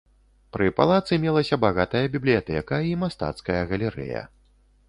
Пры палацы мелася багатая бібліятэка і мастацкая галерэя.